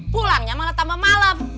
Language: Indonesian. pulangnya malah tambah malam